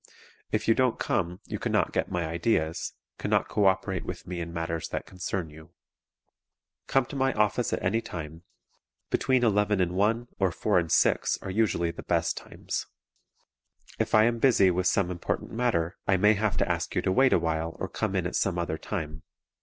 If you don't come, you cannot get my ideas, cannot coöperate with me in matters that concern you. Come to my office at any time. Between 11 and 1, or 4 and 6 are usually the best times. If I am busy with some important matter I may have to ask you to wait awhile or come in at some other time.